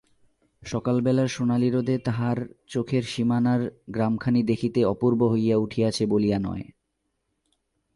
সকালবেলার সোনালি রোদে তাহার চোখের সীমানার গ্রামখানি দেখিতে অপূর্ব হইয়া উঠিয়াছে বলিয়া নয়।